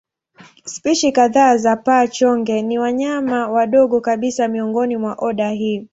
Spishi kadhaa za paa-chonge ni wanyama wadogo kabisa miongoni mwa oda hii.